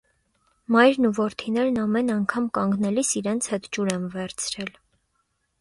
Մայրն ու որդիներն ամեն անգամ կանգնելիս իրենց հետ ջուր են վերցրել։